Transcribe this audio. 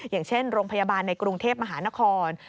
อย่างเช่นโรงพยาบาลในกรุงเทพมหานคร